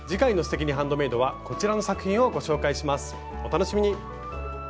お楽しみに！